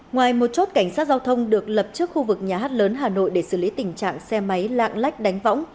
ngoài một chốt cảnh sát giao thông được lập trước khu vực nhà hát lớn hà nội để xử lý tình trạng xe máy lạng lách đánh võng